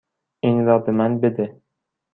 این را به من بده.